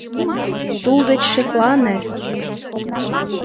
Тул деч шеклане.